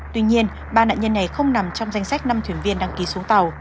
tuy nhiên ba nạn nhân này không nằm trong danh sách năm thuyền viên đăng ký xuống tàu